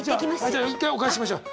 じゃあ一回お返ししましょう。